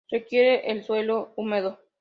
Requiere el suelo húmedo.